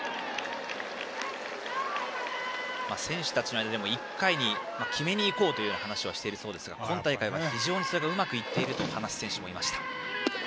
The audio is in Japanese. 選手たちの間でも１回に決めにいこうという話はしているようですが今大会は非常にそれがうまくいっていると話す選手もいました。